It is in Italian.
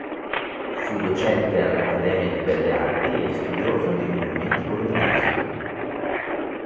Fu docente all'Accademia di Belle Arti e studioso dei monumenti bolognesi.